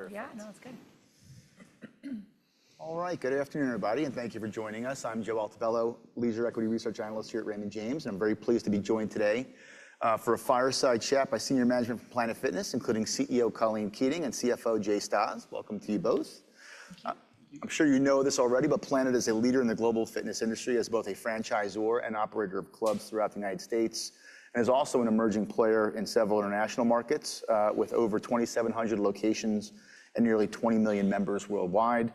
Okay. Perfect. Yeah, no, that's good. All right, good afternoon, everybody, and thank you for joining us. I'm Joseph Altobello, Leisure Equity Research Analyst here at Raymond James, and I'm very pleased to be joined today for a fireside chat by senior management from Planet Fitness, including CEO Colleen Keating and CFO Jay Stasz. Welcome to you both. Thank you. Thank you. I'm sure you know this already, but Planet is a leader in the global fitness industry as both a franchisor and operator of clubs throughout the United States, and is also an emerging player in several international markets with over 2,700 locations and nearly 20 million members worldwide.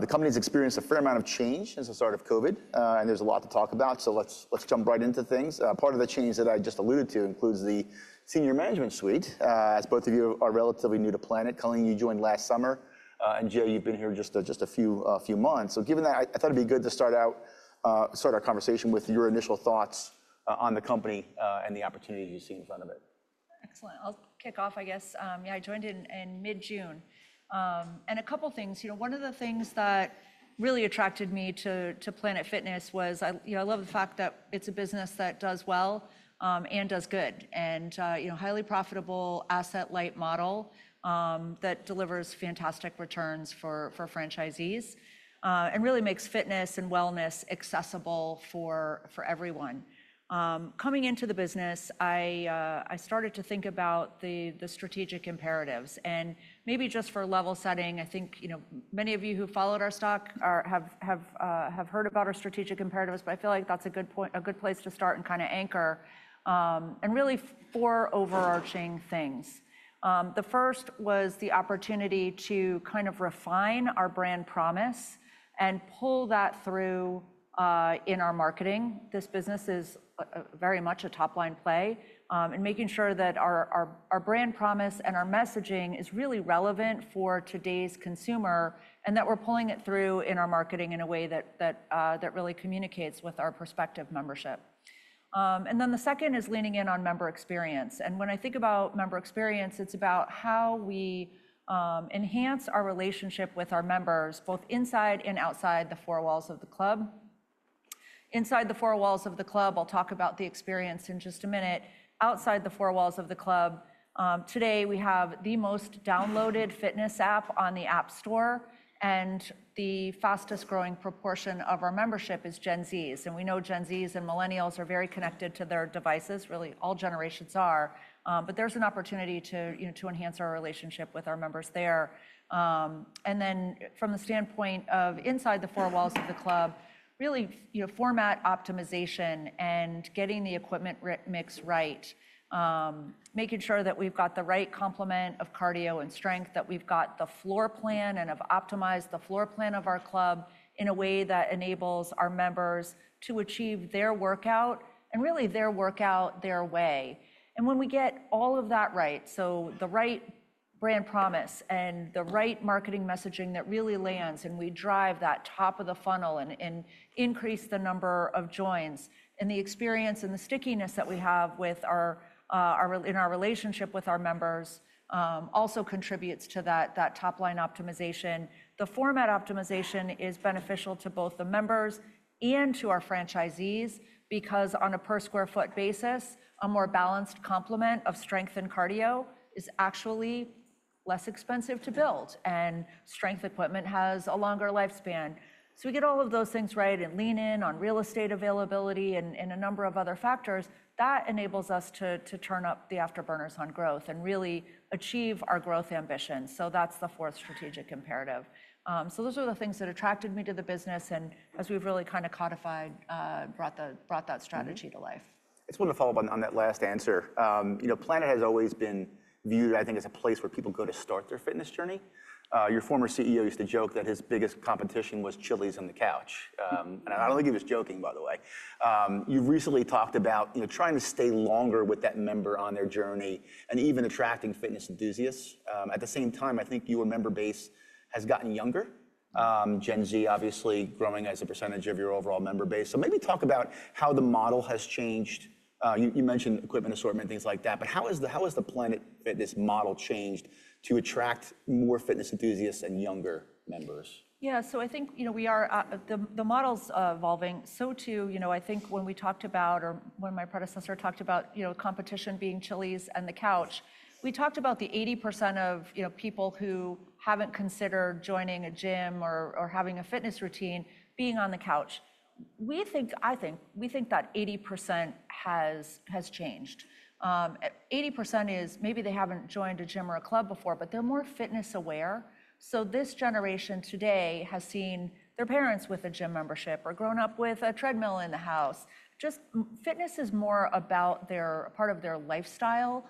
The company's experienced a fair amount of change since the start of COVID, and there's a lot to talk about, so let's jump right into things. Part of the change that I just alluded to includes the C-suite. As both of you are relatively new to Planet, Colleen, you joined last summer, and Joe, you've been here just a few months. So given that, I thought it'd be good to start our conversation with your initial thoughts on the company and the opportunities you see in front of it. Excellent. I'll kick off, I guess. Yeah, I joined in mid-June. And a couple of things. One of the things that really attracted me to Planet Fitness was I love the fact that it's a business that does well and does good, and a highly profitable asset-light model that delivers fantastic returns for franchisees and really makes fitness and wellness accessible for everyone. Coming into the business, I started to think about the strategic imperatives. And maybe just for level setting, I think many of you who followed our stock have heard about our strategic imperatives, but I feel like that's a good place to start, and kind of anchor, and really four overarching things. The first was the opportunity to kind of refine our brand promise and pull that through in our marketing. This business is very much a top-line play in making sure that our brand promise and our messaging is really relevant for today's consumer and that we're pulling it through in our marketing in a way that really communicates with our prospective membership. And then the second is leaning in on member experience. And when I think about member experience, it's about how we enhance our relationship with our members both inside and outside the four walls of the club. Inside the four walls of the club, I'll talk about the experience in just a minute. Outside the four walls of the club, today we have the most downloaded fitness app on the App Store, and the fastest-growing proportion of our membership is Gen Z. We know Gen Zs and Millennials are very connected to their devices, really all generations are, but there's an opportunity to enhance our relationship with our members there. And then from the standpoint of inside the four walls of the club, really format optimization and getting the equipment mix right, making sure that we've got the right complement of cardio and strength, that we've got the floor plan and have optimized the floor plan of our club in a way that enables our members to achieve their workout and really their workout their way. When we get all of that right, so the right brand promise and the right marketing messaging that really lands and we drive that top of the funnel and increase the number of joins, and the experience and the stickiness that we have in our relationship with our members also contributes to that top-line optimization. The format optimization is beneficial to both the members and to our franchisees because on a per-square-foot basis, a more balanced complement of strength and cardio is actually less expensive to build, and strength equipment has a longer lifespan. We get all of those things right and lean in on real estate availability and a number of other factors that enables us to turn up the afterburners on growth and really achieve our growth ambitions. That's the fourth strategic imperative. So those are the things that attracted me to the business, and as we've really kind of codified, brought that strategy to life. I just want to follow up on that last answer. Planet has always been viewed, I think, as a place where people go to start their fitness journey. Your former CEO used to joke that his biggest competition was Chili's on the couch, and I don't think he was joking, by the way. You've recently talked about trying to stay longer with that member on their journey and even attracting fitness enthusiasts. At the same time, I think your member base has gotten younger, Gen Z obviously growing as a percentage of your overall member base, so maybe talk about how the model has changed. You mentioned equipment assortment, things like that, but how has the Planet Fitness model changed to attract more fitness enthusiasts and younger members? Yeah, so I think the model's evolving, so too. I think when we talked about, or when my predecessor talked about competition being Chili's and the couch, we talked about the 80% of people who haven't considered joining a gym or having a fitness routine being on the couch. I think that 80% has changed. 80% is maybe they haven't joined a gym or a club before, but they're more fitness aware. So this generation today has seen their parents with a gym membership or grown up with a treadmill in the house. Just fitness is more a part of their lifestyle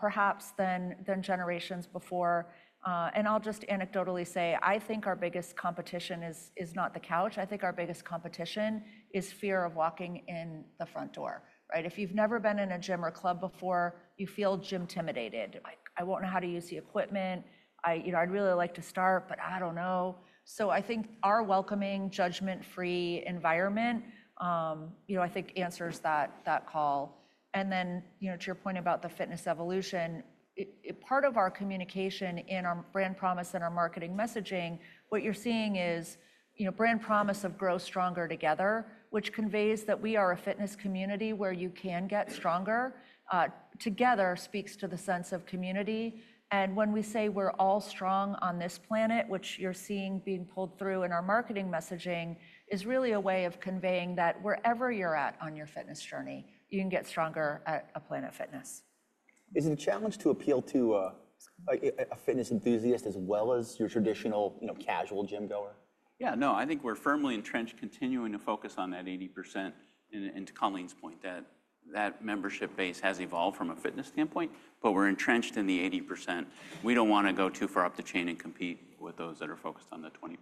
perhaps than generations before. And I'll just anecdotally say, I think our biggest competition is not the couch. I think our biggest competition is fear of walking in the front door. If you've never been in a gym or club before, you feel gymtimidated. I won't know how to use the equipment. I'd really like to start, but I don't know. So I think our welcoming, judgment-free environment, I think, answers that call. And then to your point about the fitness evolution, part of our communication in our brand promise and our marketing messaging, what you're seeing is brand promise of grow stronger together, which conveys that we are a fitness community where you can get stronger. Together speaks to the sense of community. And when we say we're all strong on this planet, which you're seeing being pulled through in our marketing messaging, is really a way of conveying that wherever you're at on your fitness journey, you can get stronger at Planet Fitness. Is it a challenge to appeal to a fitness enthusiast as well as your traditional casual gym-goer? Yeah, no, I think we're firmly entrenched continuing to focus on that 80%. And to Colleen's point, that membership base has evolved from a fitness standpoint, but we're entrenched in the 80%. We don't want to go too far up the chain and compete with those that are focused on the 20%.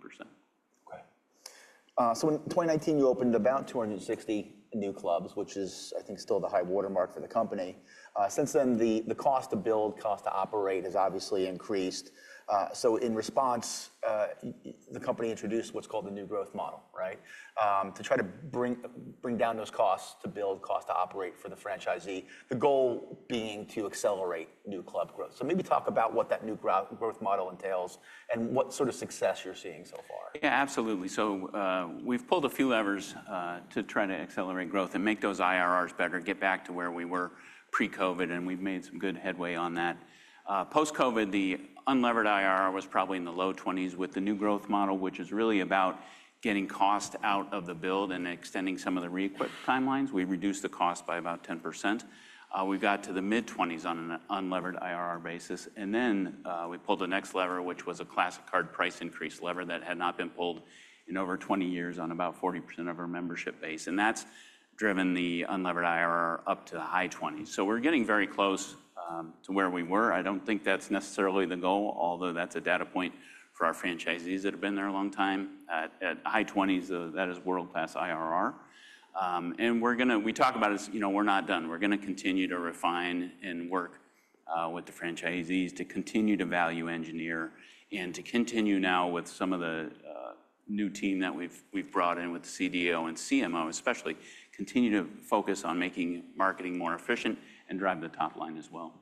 Okay. So in 2019, you opened about 260 new clubs, which is, I think, still the high watermark for the company. Since then, the cost to build, cost to operate has obviously increased. So in response, the company introduced what's called the New Growth Model to try to bring down those costs to build, cost to operate for the franchisee, the goal being to accelerate new club growth. So maybe talk about what that New Growth Model entails and what sort of success you're seeing so far. Yeah, absolutely. So we've pulled a few levers to try to accelerate growth and make those IRRs better, get back to where we were pre-COVID, and we've made some good headway on that. Post-COVID, the unlevered IRR was probably in the low 20s with the New Growth Model, which is really about getting cost out of the build and extending some of the re-equip timelines. We reduced the cost by about 10%. We got to the mid-20s on an unlevered IRR basis. And then we pulled the next lever, which was a Classic Card price increase lever that had not been pulled in over 20 years on about 40% of our membership base. And that's driven the unlevered IRR up to the high 20s. So we're getting very close to where we were. I don't think that's necessarily the goal, although that's a data point for our franchisees that have been there a long time. At high 20s, that is world-class IRR. And we talk about it as we're not done. We're going to continue to refine and work with the franchisees to continue to value engineer and to continue now with some of the new team that we've brought in with the CDO and CMO, especially continue to focus on making marketing more efficient and drive the top line as well.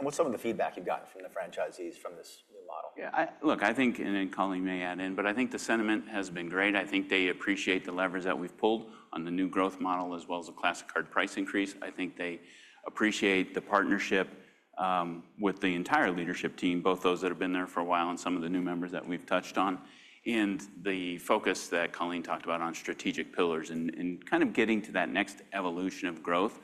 What's some of the feedback you've gotten from the franchisees from this new model? Yeah, look, I think, and Colleen may add in, but I think the sentiment has been great. I think they appreciate the levers that we've pulled on the New Growth Model as well as the Classic Card price increase. I think they appreciate the partnership with the entire leadership team, both those that have been there for a while and some of the new members that we've touched on, and the focus that Colleen talked about on strategic pillars and kind of getting to that next evolution of growth.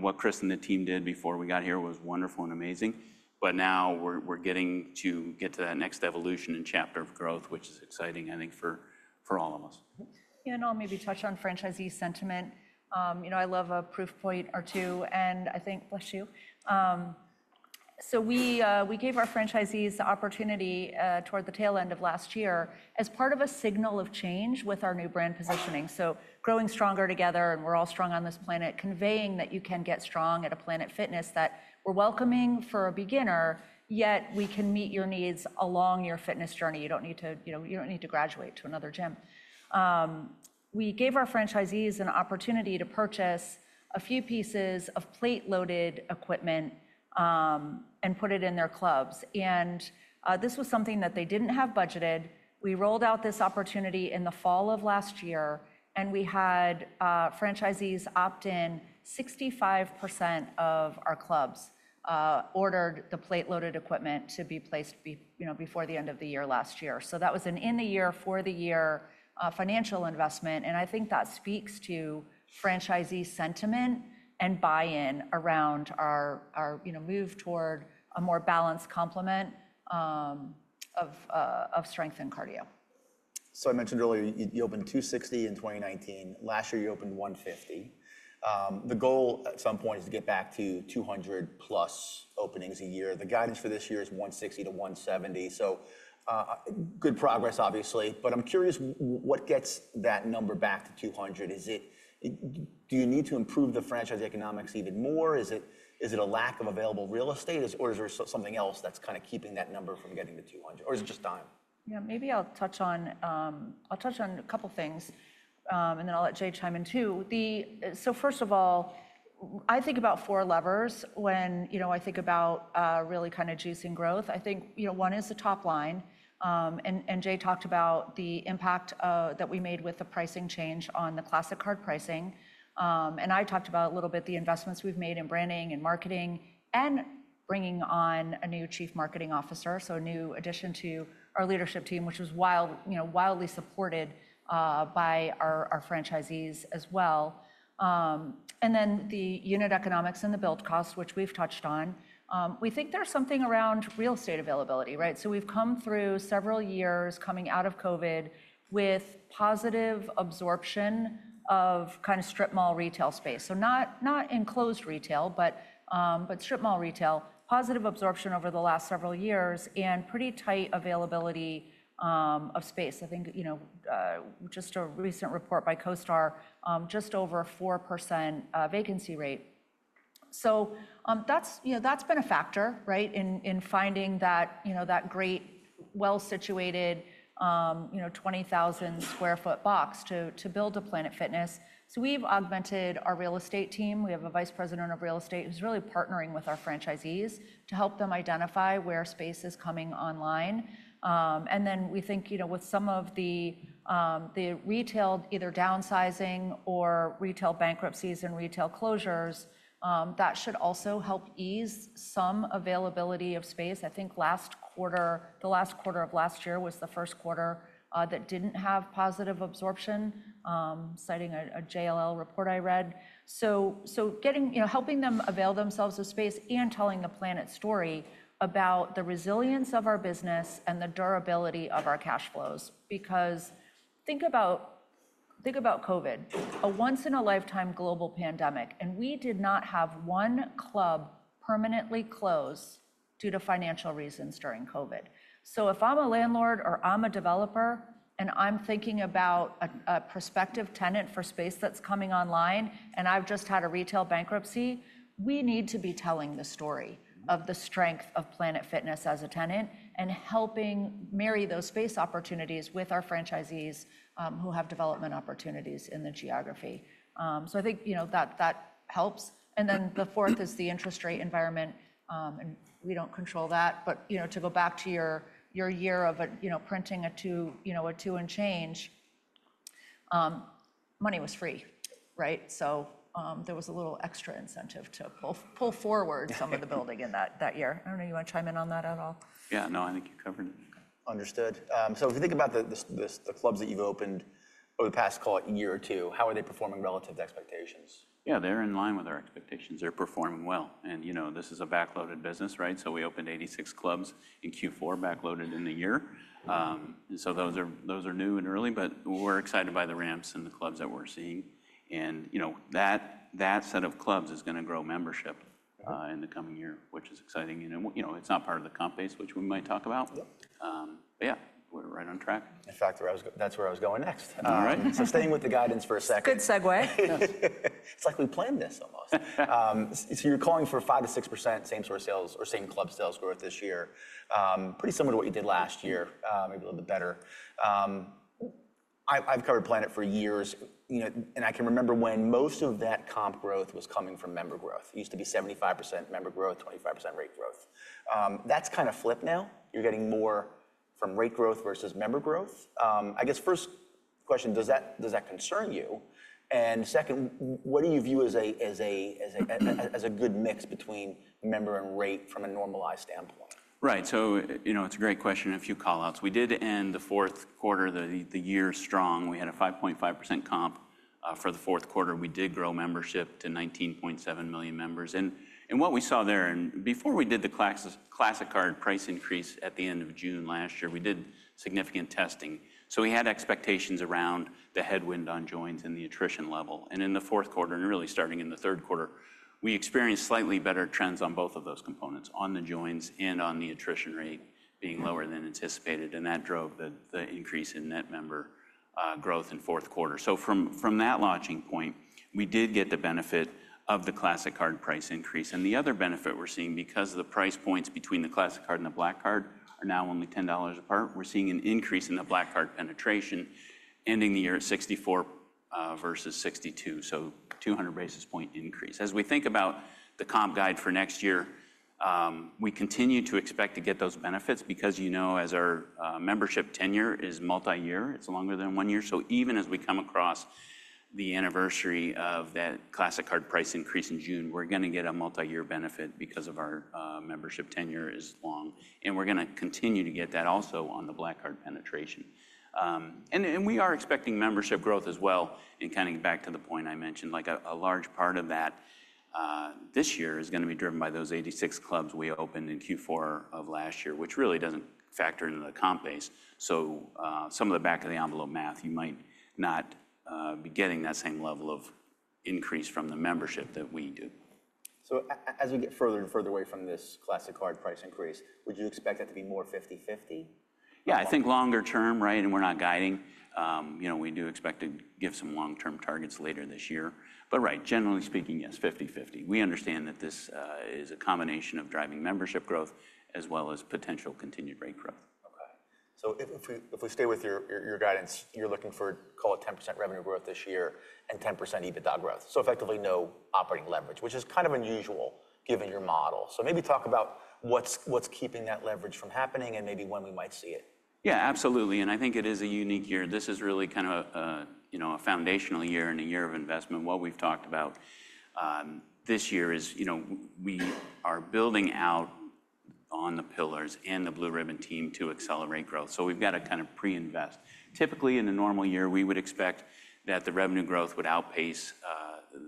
What Chris and the team did before we got here was wonderful and amazing, but now we're getting to get to that next evolution and chapter of growth, which is exciting, I think, for all of us. Yeah, and I'll maybe touch on franchisee sentiment. I love a proof point or two, and I think bless you. So we gave our franchisees the opportunity toward the tail end of last year as part of a signal of change with our new brand positioning. So growing stronger together, and we're all strong on this planet, conveying that you can get strong at a Planet Fitness that we're welcoming for a beginner, yet we can meet your needs along your fitness journey. You don't need to graduate to another gym. We gave our franchisees an opportunity to purchase a few pieces of plate-loaded equipment and put it in their clubs. And this was something that they didn't have budgeted. We rolled out this opportunity in the fall of last year, and we had franchisees opt in; 65% of our clubs ordered the plate-loaded equipment to be placed before the end of the year last year. So that was an in-the-year, for-the-year financial investment. And I think that speaks to franchisee sentiment and buy-in around our move toward a more balanced complement of strength and cardio. So I mentioned earlier you opened 260 in 2019. Last year, you opened 150. The goal at some point is to get back to 200-plus openings a year. The guidance for this year is 160-170. So good progress, obviously. But I'm curious what gets that number back to 200. Do you need to improve the franchise economics even more? Is it a lack of available real estate, or is there something else that's kind of keeping that number from getting to 200, or is it just time? Yeah, maybe I'll touch on a couple of things, and then I'll let Jay chime in too. So first of all, I think about four levers when I think about really kind of juicing growth. I think one is the top line. And Jay talked about the impact that we made with the pricing change on the Classic Card pricing. And I talked about a little bit the investments we've made in branding and marketing and bringing on a new Chief Marketing Officer, so a new addition to our leadership team, which was wildly supported by our franchisees as well. And then the unit economics and the build costs, which we've touched on. We think there's something around real estate availability. So we've come through several years coming out of COVID with positive absorption of kind of strip mall retail space. So, not enclosed retail, but strip mall retail, positive absorption over the last several years, and pretty tight availability of space. I think just a recent report by CoStar, just over a 4% vacancy rate. So that's been a factor in finding that great, well-situated 20,000 square foot box to build a Planet Fitness. So we've augmented our real estate team. We have a vice president of real estate who's really partnering with our franchisees to help them identify where space is coming online. And then we think with some of the retail either downsizing or retail bankruptcies and retail closures, that should also help ease some availability of space. I think the last quarter of last year was the first quarter that didn't have positive absorption, citing a JLL report I read. Helping them avail themselves of space and telling the Planet story about the resilience of our business and the durability of our cash flows. Because think about COVID, a once-in-a-lifetime global pandemic, and we did not have one club permanently close due to financial reasons during COVID. So if I'm a landlord or I'm a developer and I'm thinking about a prospective tenant for space that's coming online, and I've just had a retail bankruptcy, we need to be telling the story of the strength of Planet Fitness as a tenant and helping marry those space opportunities with our franchisees who have development opportunities in the geography. So I think that helps. And then the fourth is the interest rate environment. And we don't control that. But to go back to your year of printing a two and change, money was free. So there was a little extra incentive to pull forward some of the building in that year. I don't know. You want to chime in on that at all? Yeah, no, I think you covered it. Understood. So if you think about the clubs that you've opened over the past, call it, year or two, how are they performing relative to expectations? Yeah, they're in line with our expectations. They're performing well, and this is a backloaded business, right, so we opened 86 clubs in Q4, backloaded in the year, so those are new and early, but we're excited by the ramps and the clubs that we're seeing, and that set of clubs is going to grow membership in the coming year, which is exciting, and it's not part of the comp base, which we might talk about, but yeah, we're right on track. That's where I was going next. So staying with the guidance for a second. Good segue. It's like we planned this almost, so you're calling for 5%-6% same sort of sales or same club sales growth this year, pretty similar to what you did last year, maybe a little bit better. I've covered Planet for years, and I can remember when most of that comp growth was coming from member growth. It used to be 75% member growth, 25% rate growth. That's kind of flipped now. You're getting more from rate growth versus member growth. I guess first question, does that concern you, and second, what do you view as a good mix between member and rate from a normalized standpoint? Right. So it's a great question and a few callouts. We did end the fourth quarter of the year strong. We had a 5.5% comp for the fourth quarter. We did grow membership to 19.7 million members, and what we saw there, and before we did the Classic Card price increase at the end of June last year, we did significant testing, so we had expectations around the headwind on joins and the attrition level, and in the fourth quarter, and really starting in the third quarter, we experienced slightly better trends on both of those components, on the joins and on the attrition rate being lower than anticipated, and that drove the increase in net member growth in fourth quarter, so from that launching point, we did get the benefit of the Classic Card price increase. And the other benefit we're seeing, because the price points between the Classic Card and the Black Card are now only $10 apart, we're seeing an increase in the Black Card penetration, ending the year at 64 versus 62, so 200 basis point increase. As we think about the comp guide for next year, we continue to expect to get those benefits because, as our membership tenure is multi-year, it's longer than one year. So even as we come across the anniversary of that Classic Card price increase in June, we're going to get a multi-year benefit because our membership tenure is long. And we're going to continue to get that also on the Black Card penetration. And we are expecting membership growth as well. And kind of back to the point I mentioned, a large part of that this year is going to be driven by those 86 clubs we opened in Q4 of last year, which really doesn't factor into the comp base. So some of the back-of-the-envelope math, you might not be getting that same level of increase from the membership that we do. So as we get further and further away from this Classic Card price increase, would you expect that to be more 50/50? Yeah, I think longer term, right? And we're not guiding. We do expect to give some long-term targets later this year. But right, generally speaking, yes, 50/50. We understand that this is a combination of driving membership growth as well as potential continued rate growth. Okay. So if we stay with your guidance, you're looking for, call it, 10% revenue growth this year and 10% EBITDA growth. So effectively no operating leverage, which is kind of unusual given your model. So maybe talk about what's keeping that leverage from happening and maybe when we might see it. Yeah, absolutely. And I think it is a unique year. This is really kind of a foundational year-and- year of investment. What we've talked about this year is we are building out on the pillars and the blue-ribbon team to accelerate growth. So we've got to kind of pre-invest. Typically, in a normal year, we would expect that the revenue growth would outpace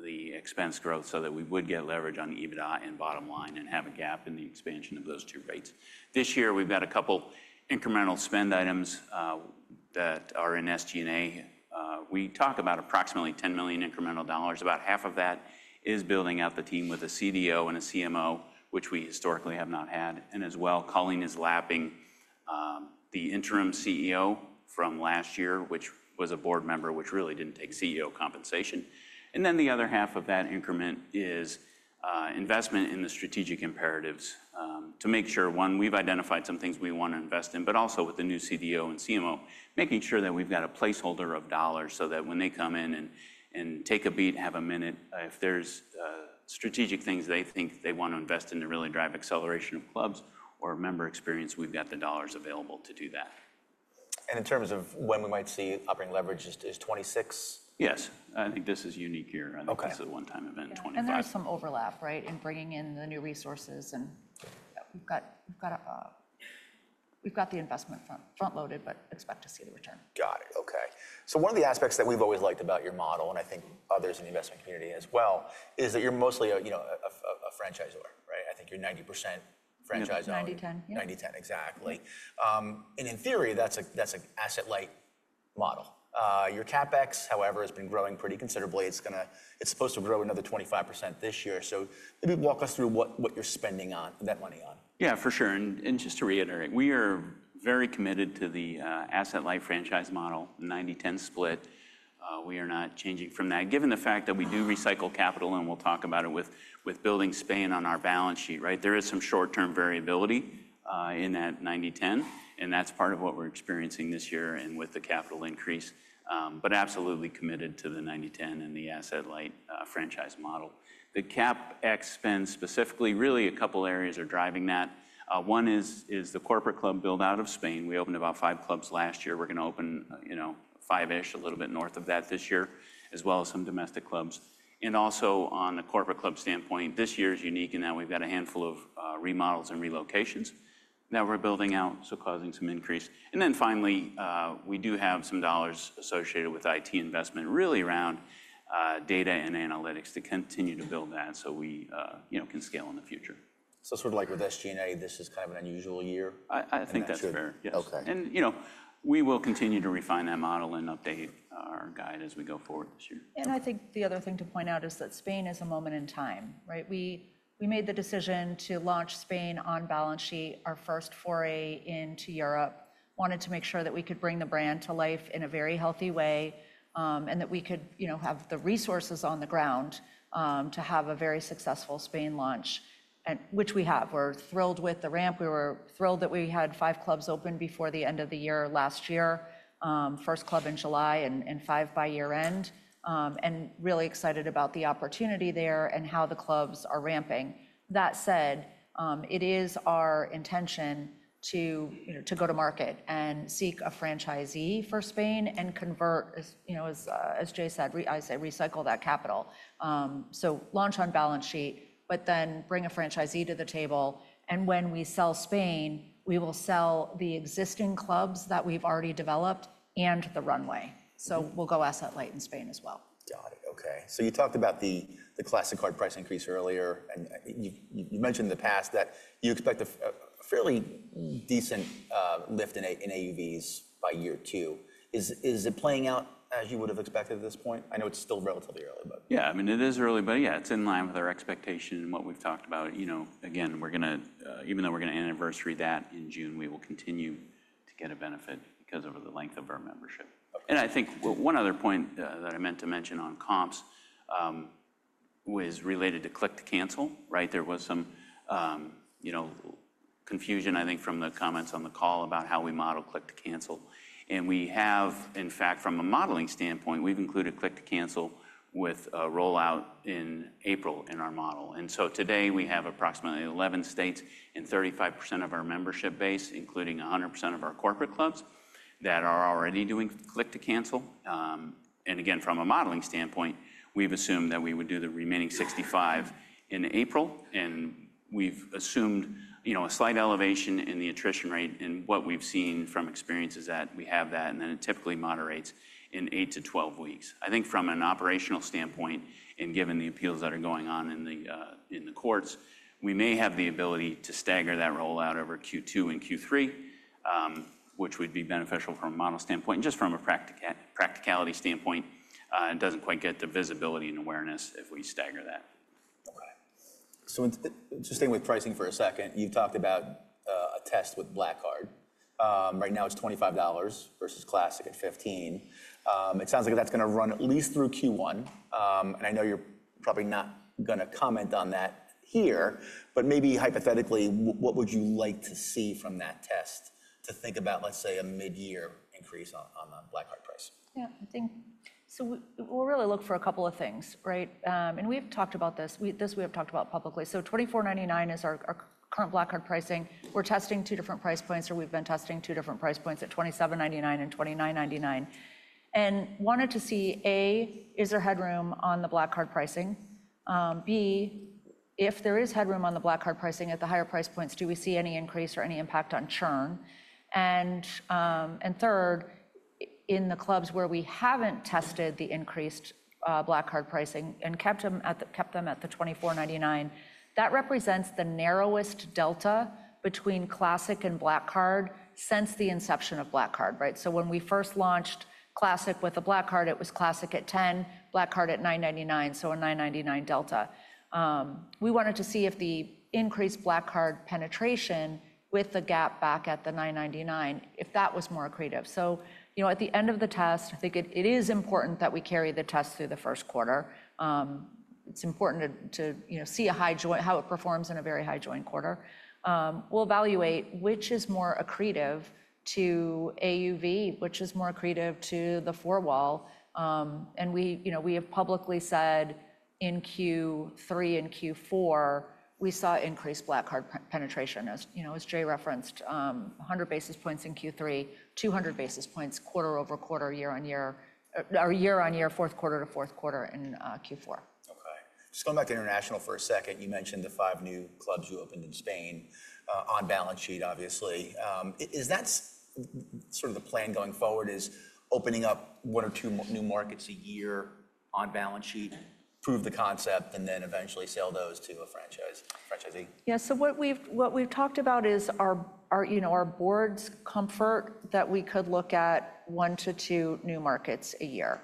the expense growth so that we would get leverage on EBITDA and bottom line and have a gap in the expansion of those two rates. This year, we've got a couple of incremental spend items that are in SG&A. We talk about approximately $10 million incremental dollars. About half of that is building out the team with a CDO and a CMO, which we historically have not had. As well, Colleen is lapping the interim CEO from last year, which was a board member, which really didn't take CEO compensation. Then the other half of that increment is investment in the strategic imperatives to make sure, one, we've identified some things we want to invest in, but also with the new CDO and CMO, making sure that we've got a placeholder of dollars so that when they come in and take a beat, have a minute, if there's strategic things they think they want to invest in to really drive acceleration of clubs or member experience, we've got the dollars available to do that. In terms of when we might see operating leverage, in 2026? Yes. I think this is a unique year. I think it's a one-time event in 2020. There is some overlap, right, in bringing in the new resources. We've got the investment front-loaded, but expect to see the return. Got it. Okay. So one of the aspects that we've always liked about your model, and I think others in the investment community as well, is that you're mostly a franchisor, right? I think you're 90% franchisor. 90/10. 90/10, exactly. And in theory, that's an asset-light model. Your CapEx, however, has been growing pretty considerably. It's supposed to grow another 25% this year. So maybe walk us through what you're spending that money on. Yeah, for sure. And just to reiterate, we are very committed to the asset-light franchise model, 90/10 split. We are not changing from that. Given the fact that we do recycle capital and we'll talk about it with building spend on our balance sheet, right? There is some short-term variability in that 90/10, and that's part of what we're experiencing this year and with the capital increase. But absolutely committed to the 90/10 and the asset-light franchise model. The CapEx spend specifically, really a couple of areas are driving that. One is the corporate club build-out of Spain. We opened about five clubs last year. We're going to open five-ish, a little bit north of that this year, as well as some domestic clubs. And also on the corporate club standpoint, this year is unique in that we've got a handful of remodels and relocations that we're building out, so causing some increase. And then finally, we do have some dollars associated with IT investment, really around data and analytics to continue to build that so we can scale in the future. So sort of like with SG&A, this is kind of an unusual year? I think that's fair. Yes, and we will continue to refine that model and update our guide as we go forward this year. And I think the other thing to point out is that Spain is a moment in time, right? We made the decision to launch Spain on balance sheet, our first foray into Europe, wanted to make sure that we could bring the brand to life in a very healthy way and that we could have the resources on the ground to have a very successful Spain launch, which we have. We're thrilled with the ramp. We were thrilled that we had five clubs open before the end of the year last year, first club in July, and five by year-end, and really excited about the opportunity there and how the clubs are ramping. That said, it is our intention to go to market and seek a franchisee for Spain and convert, as Jay said, I say recycle that capital. So, launch on balance sheet, but then bring a franchisee to the table. And when we sell Spain, we will sell the existing clubs that we've already developed and the runway. So we'll go asset-light in Spain as well. Got it. Okay. So you talked about the Classic Card price increase earlier, and you mentioned in the past that you expect a fairly decent lift in AUVs by year two. Is it playing out as you would have expected at this point? I know it's still relatively early, but. Yeah, I mean, it is early, but yeah, it's in line with our expectation and what we've talked about. Again, even though we're going to anniversary that in June, we will continue to get a benefit because of the length of our membership. And I think one other point that I meant to mention on comps was related to click-to-cancel, right? There was some confusion, I think, from the comments on the call about how we model click-to-cancel. And we have, in fact, from a modeling standpoint, we've included click-to-cancel with a rollout in April in our model. And so today, we have approximately 11 states and 35% of our membership base, including 100% of our corporate clubs that are already doing click-to-cancel. And again, from a modeling standpoint, we've assumed that we would do the remaining 65% in April. And we've assumed a slight elevation in the attrition rate. And what we've seen from experience is that we have that, and then it typically moderates in 8-12 weeks. I think from an operational standpoint, and given the appeals that are going on in the courts, we may have the ability to stagger that rollout over Q2 and Q3, which would be beneficial from a model standpoint. And just from a practicality standpoint, it doesn't quite get the visibility and awareness if we stagger that. Okay. So just staying with pricing for a second, you talked about a test with Black Card. Right now, it's $25 versus Classic at $15. It sounds like that's going to run at least through Q1. And I know you're probably not going to comment on that here, but maybe hypothetically, what would you like to see from that test to think about, let's say, a mid-year increase on the Black Card price? Yeah. So we'll really look for a couple of things, right? And we have talked about this. This we have talked about publicly. So $24.99 is our current Black Card pricing. We're testing two different price points, or we've been testing two different price points at $27.99 and $29.99. And wanted to see, A, is there headroom on the Black Card pricing? B, if there is headroom on the Black Card pricing at the higher price points, do we see any increase or any impact on churn? And third, in the clubs where we haven't tested the increased Black Card pricing and kept them at the $24.99, that represents the narrowest delta between Classic and Black Card since the inception of Black Card, right? So when we first launched classic with a Black Card, it was classic at $10, Black Card at $9.99, so a $9.99 delta. We wanted to see if the increased Black Card penetration with the gap back at the $9.99, if that was more accretive, so at the end of the test, I think it is important that we carry the test through the first quarter. It's important to see how it performs in a very high-join quarter. We'll evaluate which is more accretive to AUV, which is more accretive to the four-wall, and we have publicly said in Q3 and Q4, we saw increased Black Card penetration, as Jay referenced, 100 basis points in Q3, 200 basis points, quarter-over-quarter, year-on-year, or year-on-year, fourth-quarter-to-fourth-quarter in Q4. Okay. Just going back to international for a second, you mentioned the five new clubs you opened in Spain on balance sheet, obviously. Is that sort of the plan going forward is opening up one or two new markets a year on balance sheet, prove the concept, and then eventually sell those to a franchisee? Yeah, so what we've talked about is our board's comfort that we could look at one to two new markets a year.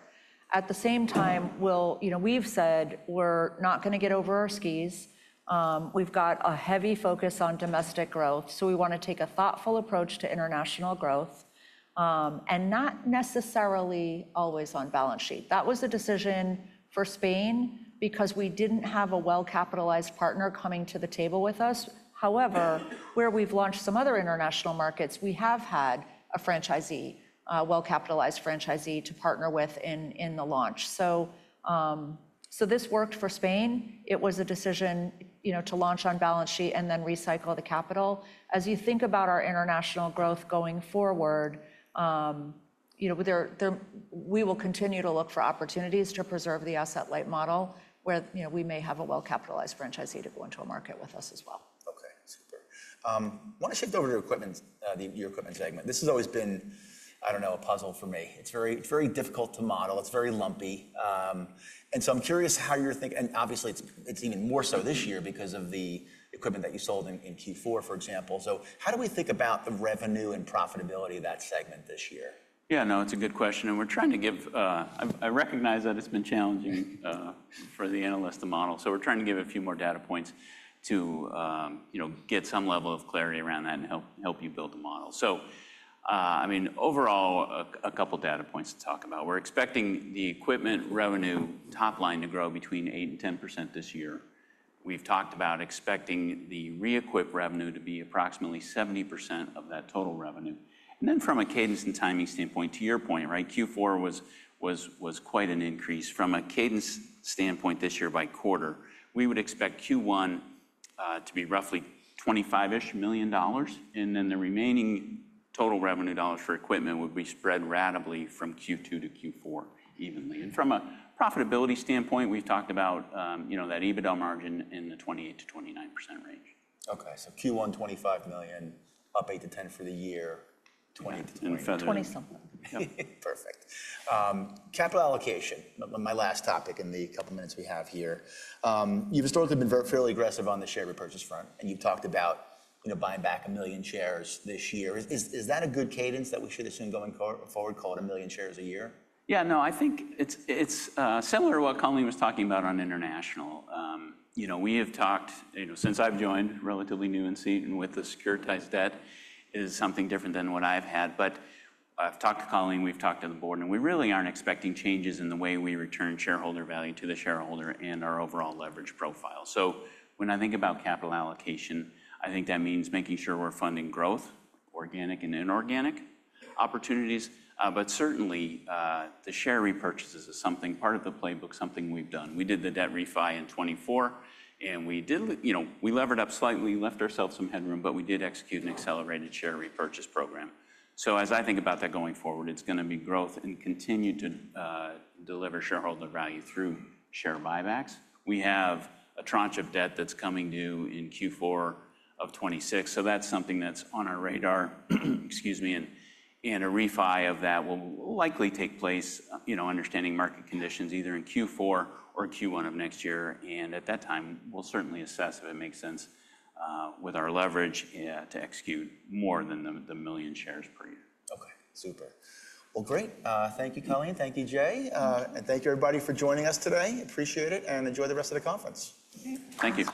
At the same time, we've said we're not going to get over our skis. We've got a heavy focus on domestic growth, so we want to take a thoughtful approach to international growth and not necessarily always on balance sheet. That was a decision for Spain because we didn't have a well-capitalized partner coming to the table with us. However, where we've launched some other international markets, we have had a well-capitalized franchisee to partner with in the launch. So this worked for Spain. It was a decision to launch on balance sheet and then recycle the capital. As you think about our international growth going forward, we will continue to look for opportunities to preserve the asset-light model where we may have a well-capitalized franchisee to go into a market with us as well. Okay. Super. I want to shift over to your equipment segment. This has always been, I don't know, a puzzle for me. It's very difficult to model. It's very lumpy. And so I'm curious how you're thinking, and obviously, it's even more so this year because of the equipment that you sold in Q4, for example. So how do we think about the revenue and profitability of that segment this year? Yeah, no, it's a good question. And we're trying to give--I recognize that it's been challenging for the analyst to model. So we're trying to give a few more data points to get some level of clarity around that and help you build a model. So I mean, overall, a couple of data points to talk about. We're expecting the equipment revenue top line to grow between 8%-10% this year. We've talked about expecting the re-equip revenue to be approximately 70% of that total revenue. And then from a cadence and timing standpoint, to your point, right, Q4 was quite an increase. From a cadence standpoint this year-by-quarter, we would expect Q1 to be roughly $25 million. And then the remaining total revenue dollars for equipment would be spread ratably from Q2 to Q4 evenly. From a profitability standpoint, we've talked about that EBITDA margin in the 28%-29% range. Okay, so Q1, $25 million, up 8-10 for the year, $20-$21. 20-something. Perfect. Capital allocation, my last topic in the couple of minutes we have here. You've historically been fairly aggressive on the share repurchase front, and you've talked about buying back a million shares this year. Is that a good cadence that we should assume going forward, call it a million shares a year? Yeah. No, I think it's similar to what Colleen was talking about on international. We have talked, since I've joined, relatively new in seat, and with the securitized debt, is something different than what I've had. But I've talked to Colleen, we've talked to the board, and we really aren't expecting changes in the way we return shareholder value to the shareholder and our overall leverage profile. So when I think about capital allocation, I think that means making sure we're funding growth, organic and inorganic opportunities. But certainly, the share repurchases is something, part of the playbook, something we've done. We did the debt refi in 2024, and we levered up slightly, left ourselves some headroom, but we did execute an accelerated share repurchase program. So as I think about that going forward, it's going to be growth and continue to deliver shareholder value through share buybacks. We have a tranche of debt that's coming due in Q4 of 2026. So that's something that's on our radar. Excuse me. And a refi of that will likely take place, understanding market conditions, either in Q4 or Q1 of next year. And at that time, we'll certainly assess if it makes sense with our leverage to execute more than the million shares per year. Okay. Super. Well, great. Thank you, Colleen. Thank you, Jay. And thank you, everybody, for joining us today. Appreciate it and enjoy the rest of the conference. Thank you.